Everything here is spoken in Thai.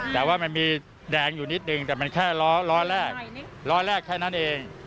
แต่ว่ามันมีแดงอยู่นิดนึงแต่มันแค่ล้อแรกล้อแรกแค่นั้นเอง